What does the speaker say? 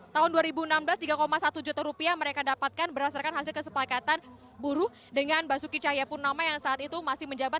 tahun dua ribu enam belas tiga satu juta rupiah mereka dapatkan berdasarkan hasil kesepakatan buruh dengan basuki cahayapurnama yang saat itu masih menjabat